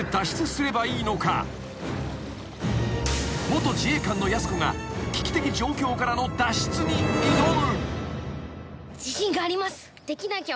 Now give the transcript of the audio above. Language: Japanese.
［元自衛官のやす子が危機的状況からの脱出に挑む］